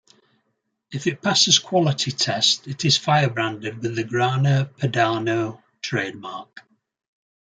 If it passes quality tests, it is fire-branded with the Grana Padano trademark.